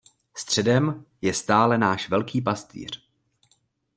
Středem je stále náš Velký Pastýř.